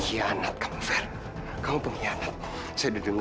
kalau kamu tahu sekarang